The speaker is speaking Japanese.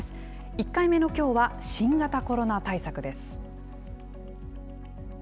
１回目のきょうは新型コロナ対策です。